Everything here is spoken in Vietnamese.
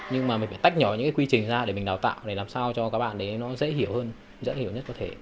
nhưng mà mình phải tách nhỏ những cái quy trình ra để mình đào tạo để làm sao cho các bạn đấy nó dễ hiểu hơn dễ hiểu nhất có thể